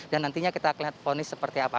dan nantinya kita akan lihat ponis seperti apa